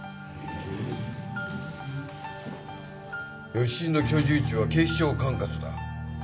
吉井の居住地は警視庁管轄だ。